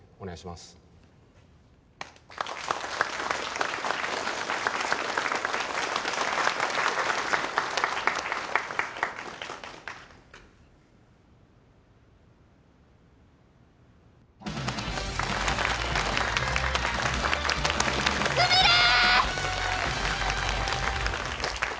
すみれー！